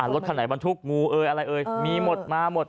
รถขนาดบรรทุกงูอะไรมีหมดมาหมด